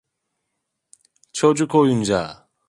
Çocuk oyuncağı.